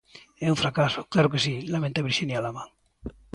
É un fracaso, claro que si, lamenta Virxinia Lama.